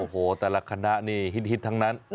โอ้โหแต่ละคณะนี่ฮิตทั้งนั้น